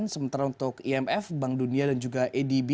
sementara untuk imf bank dunia dan juga adb